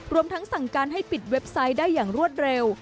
รวมทั้งสั่งการให้ปิดเว็บไซต์ได้อย่างรวดเร็ว